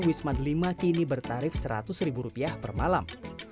wisma the lima kini bertarif seratus rupiah per malam